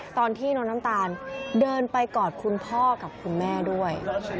ตอนที่น้องน้ำตาลเดินไปกอดคุณพ่อกับคุณแม่ด้วย